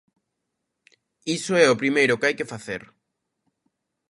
Iso é o primeiro que hai que facer.